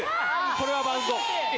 これはバウンド。